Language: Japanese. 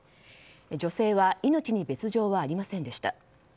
女性は命に別条はありませんでした。